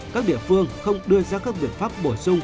các địa phương không đưa ra các biện pháp bổ sung